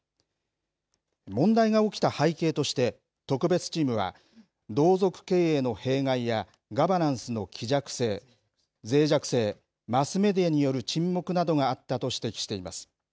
問題が起きた背景として、特別チームは同族経営の弊害やガバナンスのぜい弱性、マスメディアによる沈黙などがあったと指摘しています。